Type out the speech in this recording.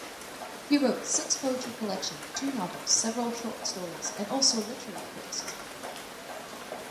He wrote six poetry collections, two novels, several short stories, and also literary criticism.